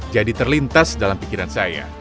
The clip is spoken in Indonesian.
jadi terlintas dalam pikiran saya